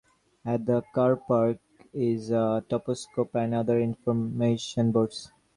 At the car park is a toposcope and other information boards.